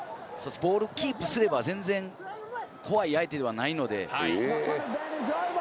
ボールをキープすれば全然怖い相手ではないので。